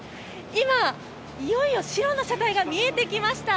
今、いよいよ白の車体が見えてきました。